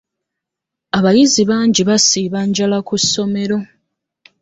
Abayizi bangi basiiba njala ku ssomero.